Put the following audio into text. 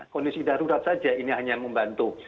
kondisi darurat saja ini hanya membantu